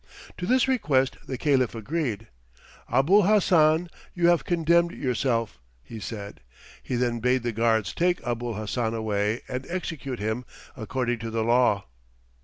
To this request the Caliph agreed. "Abul Hassan, you have condemned yourself," he said. He then bade the guards take Abul Hassan away and execute him according to the law.